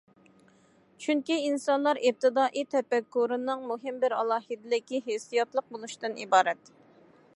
چۈنكى ئىنسانلار ئىپتىدائىي تەپەككۇرىنىڭ مۇھىم بىر ئالاھىدىلىكى ھېسسىياتلىق بولۇشتىن ئىبارەت.